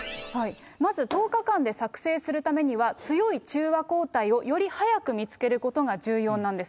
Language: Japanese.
まず１０日間で作製するためには、強い中和抗体を、より早く見つけることが重要なんです。